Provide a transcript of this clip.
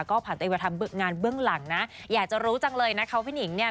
ก็ผ่านตัวเองมาทำงานเบื้องหลังนะอยากจะรู้จังเลยนะคะว่าพี่หนิงเนี่ย